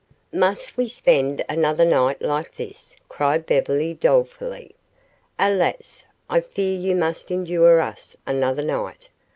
"Must we spend another night like this?" cried Beverly, dolefully. "Alas, I fear you must endure us another night.